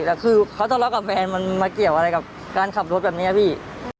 แต่คือเขาทะเลาะกับแฟนมันมาเกี่ยวอะไรกับการขับรถแบบนี้พี่